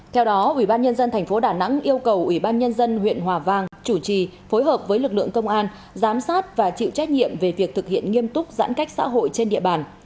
theo đó ubnd tp đà nẵng yêu cầu ủy ban nhân dân huyện hòa vang chủ trì phối hợp với lực lượng công an giám sát và chịu trách nhiệm về việc thực hiện nghiêm túc giãn cách xã hội trên địa bàn